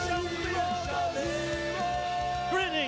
สวัสดีครับทุกคน